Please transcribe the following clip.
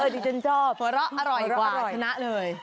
ดิฉันชอบหัวเราะอร่อยกว่าชนะเลย